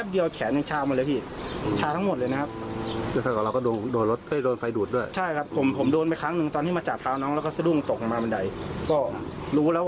เอออ่าลองฝากเขาเล่าหน่อยครับ